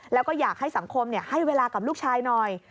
แล้วก็อยากให้สังคมให้เวลากับลูกชายหน่อย